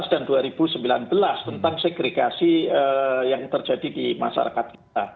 dan dua ribu sembilan belas tentang segregasi yang terjadi di masyarakat kita